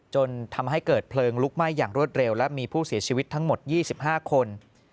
จนทำให้เกิดเพลิงลุกไหม้อย่างรวดเร็วและมีผู้เสียชีวิตทั้งหมด๒๕คน